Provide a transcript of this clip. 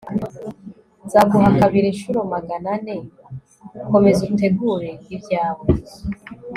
nzaguha kabiri inshuro magana ane. komeza utegure ibyawe